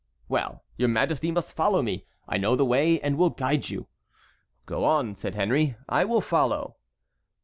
"Well, your majesty must follow me. I know the way and will guide you." "Go on," said Henry, "I will follow."